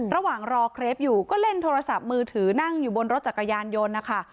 ระหว่างรอเครปอยู่ก็เล่นโทรศัพท์มือถือนั่งอยู่บนรถจักรยานยนต์นะคะ